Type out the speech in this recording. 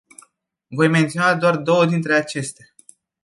Voi menționa doar două dintre acestea.